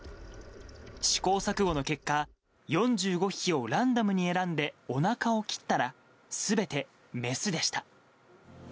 試行錯誤の結果、４５匹をランダムに選んで、おなかを切ったら、すべてメスでした。